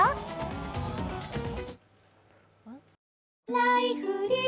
「ライフリー」